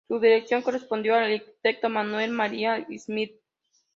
Su dirección correspondió al arquitecto Manuel María Smith.